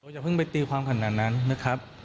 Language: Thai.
อย่าเพิ่งไปตีความขนาดนั้นนะครับ